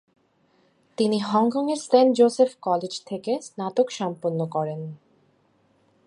তিনি হংকংয়ের Saint Joseph college থেকে স্নাতক সম্পন্ন করেন।